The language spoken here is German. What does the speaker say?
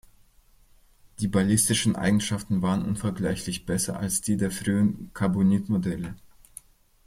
Die ballistischen Eigenschaften waren unvergleichlich besser als die der frühen Carbonit-Modelle.